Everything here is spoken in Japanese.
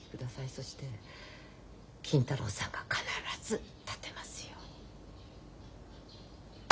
そして金太郎さんが必ず立てますように。